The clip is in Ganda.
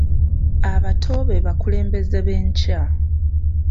Abato be bakulembeze b'enkya .